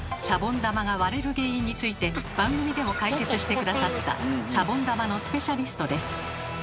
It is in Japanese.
シャボン玉が割れる原因について番組でも解説して下さったシャボン玉のスペシャリストです。